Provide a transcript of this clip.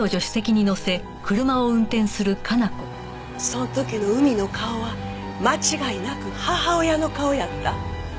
その時の海の顔は間違いなく母親の顔やった。